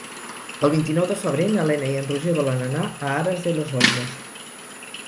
El vint-i-nou de febrer na Lena i en Roger volen anar a Aras de los Olmos.